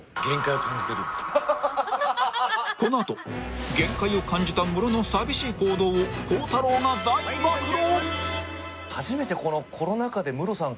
［この後限界を感じたムロの寂しい行動を孝太郎が大暴露］